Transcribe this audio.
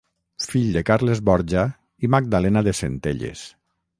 Fill de Carles Borja i Magdalena de Centelles.